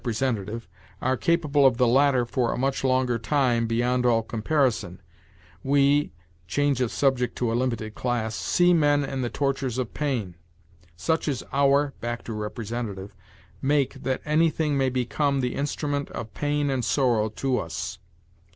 ] are capable of the latter for a much longer time, beyond all comparison. We [change of subject to a limited class] see men in the tortures of pain . Such is our [back to representative] make that anything may become the instrument of pain and sorrow to us.'